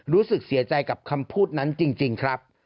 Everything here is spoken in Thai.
รู้สึกเสียใจกับคำพูดนั้นจริงครับ